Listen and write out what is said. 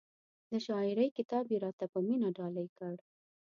د شاعرۍ کتاب یې را ته په مینه ډالۍ کړ.